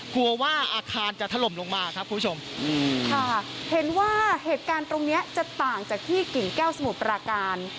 กลัวว่าอาคารจะถล่มลงมาครับคุณผู้ชมค่ะเห็นว่าเหตุการณ์ตรงเนี้ยจะต่างจากที่กิ่งแก้วสมุทรปราการ